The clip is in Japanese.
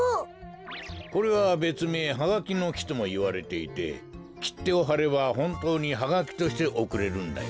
これはべつめいハガキの木ともいわれていてきってをはればほんとうにハガキとしておくれるんだよ。